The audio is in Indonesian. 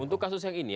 untuk kasus yang ini